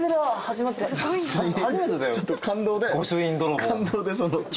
ちょっと感動で。